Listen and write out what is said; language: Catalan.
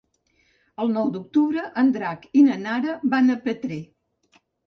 El nou d'octubre en Drac i na Nara van a Petrer.